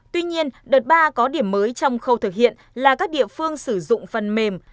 tuy nhiên đợt ba có điểm mới trong khâu thực hiện là các địa phương sử dụng phần mềm